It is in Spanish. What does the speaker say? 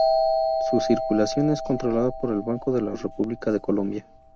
Su circulación es controlada por el Banco de la República de Colombia.